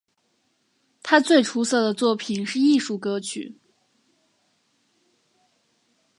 他最出色的作品是艺术歌曲。